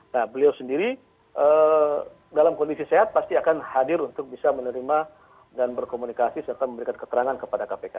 nah beliau sendiri dalam kondisi sehat pasti akan hadir untuk bisa menerima dan berkomunikasi serta memberikan keterangan kepada kpk